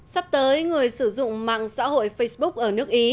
sắp tới người sử dụng mạng xã hội facebook ở nước ý